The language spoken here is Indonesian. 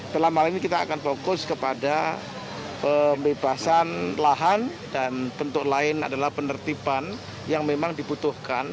dalam hal ini kita akan fokus kepada pembebasan lahan dan bentuk lain adalah penertiban yang memang dibutuhkan